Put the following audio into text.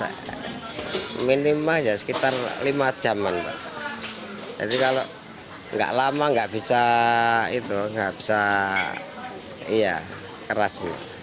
ya minimalnya sekitar lima jaman jadi kalau enggak lama nggak bisa itu nggak bisa iya keras